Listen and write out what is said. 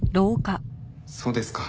そうですか。